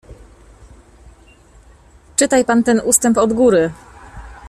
"Czytaj pan ten ustęp od góry!"